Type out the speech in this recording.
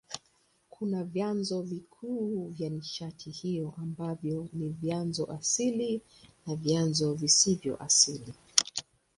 Kuna vyanzo vikuu vya nishati hiyo ambavyo ni vyanzo asili na vyanzo visivyo asili.